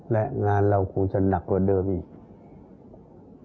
และงานเราคงจะหนักกว่าเดิมอีก